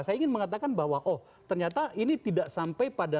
saya ingin mengatakan bahwa oh ternyata ini tidak sampai pada